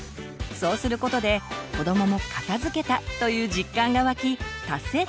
そうすることで子どもも「片づけた」という実感がわき達成感も得られます。